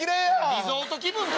リゾート気分か！